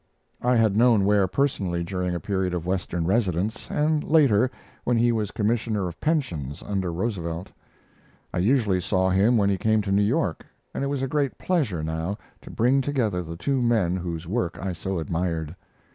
I had known Ware personally during a period of Western residence, and later, when he was Commissioner of Pensions under Roosevelt. I usually saw him when he came to New York, and it was a great pleasure now to bring together the two men whose work I so admired.